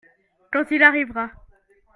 Quand il arrivera.